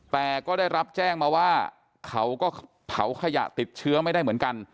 แต่ก็ได้รับแจ้งมาว่าเขาก็เผาขยะติดเชื้อไม่ได้เหมือนกัน